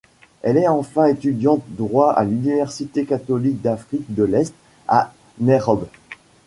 Elle est enfin étudiante droit à l'Université catholique d'Afrique de l'Est à Nairob.